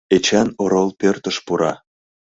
Эчан орол пӧртыш пура.